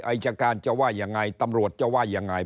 อายการจะว่ายังไงตำรวจจะว่ายังไง